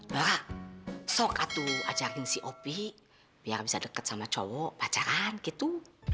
laura sok aku ajari si opi biar bisa deket sama cowok pacaran gitu